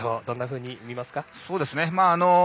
どんなふうに見ますか？